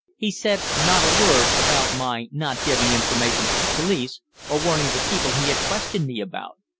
He said not a word about my not giving information to the police, or warning the people he had questioned me about.